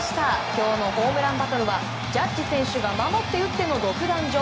今日のホームランバトルはジャッジ選手が守って打っての独壇場。